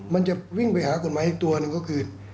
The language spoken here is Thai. มันจะวิ่งไปหากฎหมายอีกตัวหนึ่งก็คือ